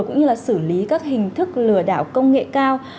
cũng như xử lý các hình thức lừa đảo công nghệ cao